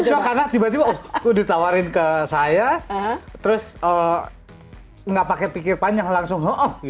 shock karena tiba tiba ditawarin ke saya terus gak pake pikir panjang langsung